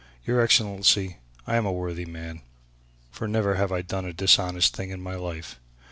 Your Excellency, I am a worthy man, for never have I done a dishonest thing in my life.